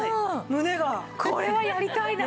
これはやりたいな。